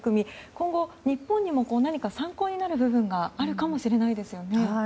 今後、日本にも何か参考になる部分があるかもしれないですよね。